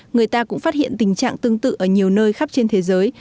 người ta cũng phát hiện tình trạng tương tự ở nhiều nơi khắp trên thế giới